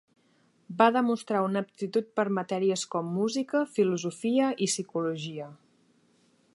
Va demostrar una aptitud per matèries com música, filosofia i psicologia.